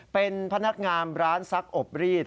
เป็นพนักงานร้านซักอบรีด